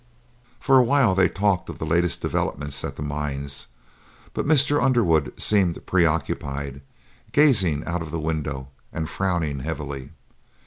For a while they talked of the latest developments at the mines, but Mr. Underwood seemed preoccupied, gazing out of the window and frowning heavily.